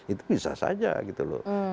itu bisa saja gitu loh